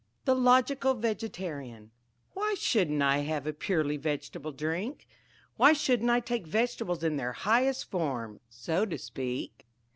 The Logical Vegetarian "Why shouldn't I have a purely vegetarian drink? Why shouldn't I take vegetables in their highest form, so to speak?